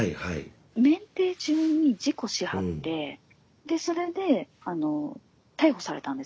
免停中に事故しはってでそれであの逮捕されたんですよ。